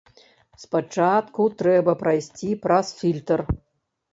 Спачатку трэба прайсці праз фільтр.